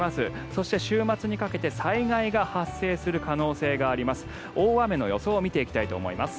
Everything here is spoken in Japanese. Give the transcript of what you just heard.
そして、週末にかけて災害が発生する可能性があります。